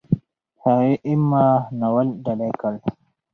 هغې "اِما" ناول ډالۍ کړ.